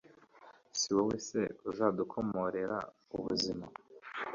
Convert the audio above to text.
Si wowe se uzadukomorera ubuzima